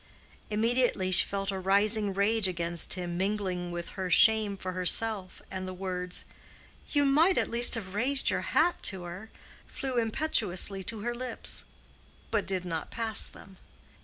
Immediately she felt a rising rage against him mingling with her shame for herself, and the words, "You might at least have raised your hat to her," flew impetuously to her lips—but did not pass them.